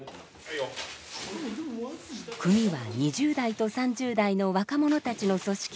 組は２０代と３０代の若者たちの組織。